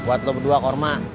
buat lo berdua korma